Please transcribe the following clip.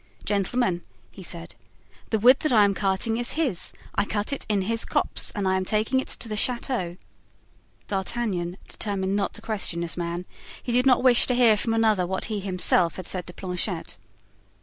"Gentlemen," he said, "the wood that I am carting is his; I cut it in his copse and I am taking it to the chateau." D'Artagnan determined not to question this man; he did not wish to hear from another what he had himself said to Planchet.